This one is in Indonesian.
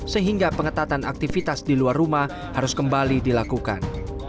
sehingga pengetatan aktivitas di luar rumah harus kembali dilakukan